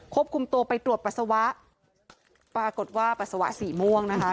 คุมตัวไปตรวจปัสสาวะปรากฏว่าปัสสาวะสีม่วงนะคะ